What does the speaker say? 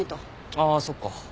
ああそっか。